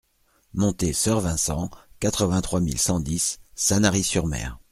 Montée Soeur Vincent, quatre-vingt-trois mille cent dix Sanary-sur-Mer